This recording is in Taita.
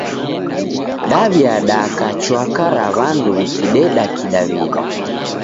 Daw'iadaka chwaka ra w'andu w'ikideda kidaw'ida.